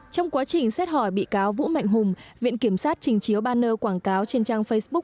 trong quá trình xét hỏi bị cáo vũ mạnh hùng viện kiểm sát trình chiếu banner quảng cáo trên trang facebook